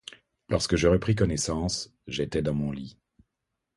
Lorsque je repris connaissance, j’étais dans mon lit.